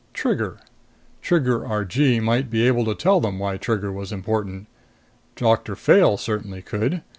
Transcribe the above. Trigger: Trigger Argee might be able to tell them why Trigger was important. Doctor Fayle certainly could.